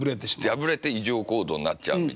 破れて異常行動になっちゃうみたいなね。